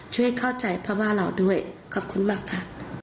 ช่วยเข้าใจพม่าเราด้วยขอบคุณมากค่ะ